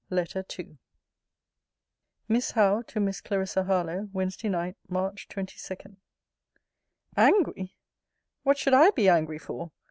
LETTER II MISS HOWE, TO MISS CLARISSA HARLOWE WEDNESDAY NIGHT, MARCH 22. ANGRY! What should I be angry for?